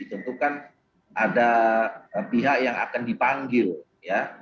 tentu kan ada pihak yang akan dipanggil ya